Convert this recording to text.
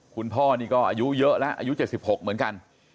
คุณพ่อนี่ก็อายุเยอะแล้วอายุ๗๖เหมือนกัน